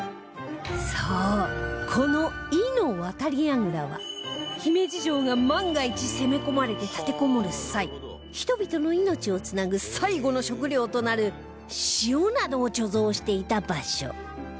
そうこのイの渡櫓は姫路城が万が一攻め込まれて立てこもる際人々の命をつなぐ最後の食糧となる塩などを貯蔵していた場所